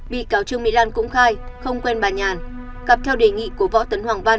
bị cáo trương mỹ lan cũng khai không quen bà nhàn cặp theo đề nghị của võ tấn hoàng văn